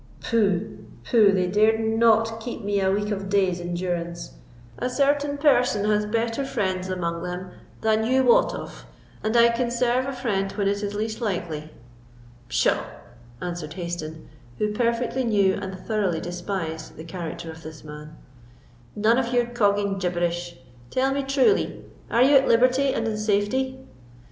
Pooh! pooh! they dared not keep me a week of days in durance. A certain person has better friends among them than you wot of, and can serve a friend when it is least likely." "Pshaw!" answered Hayston, who perfectly knew and thoroughly despised the character of this man, "none of your cogging gibberish; tell me truly, are you at liberty and in safety?"